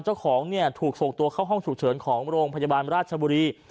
เจ้าของเนี่ยถูกส่งตัวเข้าห้องฉุกเฉินของโรงพยาบาลราชบุรี